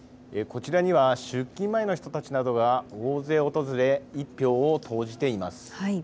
こちらには出勤前の人たちなどが大勢訪れ１票を投じています。